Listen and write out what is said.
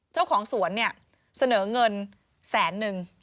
เจ้าของสวนเนี่ยเสนอเงินแสนนึง